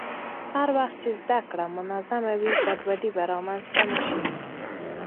هر وخت چې زده کړه منظم وي، ګډوډي به رامنځته نه شي.